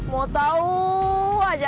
mau tau aja